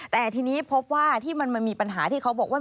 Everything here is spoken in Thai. แต่ทีนี้พบว่าที่มันมีปัญหาที่เขาบอกว่า